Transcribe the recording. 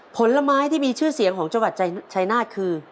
ผลไม้ที่มีชื่อเสียงของจังหวัดชายนาฏคือ